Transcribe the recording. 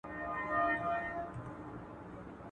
هیوادونه د طبیعي زیرمو په اړه ګډ تفاهم ته رسیږي.